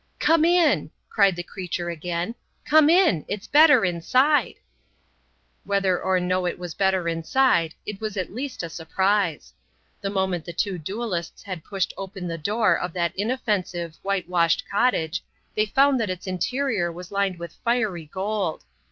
"Come in!" cried the creature again. "Come in! it's better inside!" Whether or no it was better inside it was at least a surprise. The moment the two duellists had pushed open the door of that inoffensive, whitewashed cottage they found that its interior was lined with fiery gold.